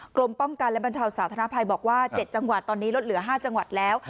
กรมป้องกันและบรรเทาสาธารณภัยบอกว่า๗จังหวัดตอนนี้ลดเหลือ๕จังหวัดแล้ว